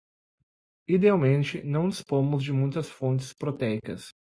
Idealmente, não dispomos de muitas fontes proteicas